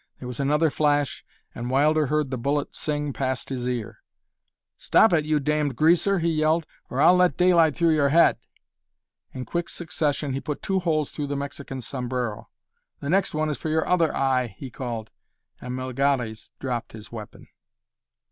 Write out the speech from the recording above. There was another flash, and Wilder heard the bullet sing past his ear. "Stop it, you damned greaser!" he yelled, "or I'll let daylight through your head." In quick succession he put two holes through the Mexican's sombrero. "The next one is for your other eye!" he called, and Melgares dropped his weapon.